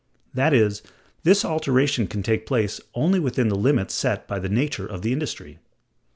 That is, this alteration can take place only within the limits set by the nature of the industry.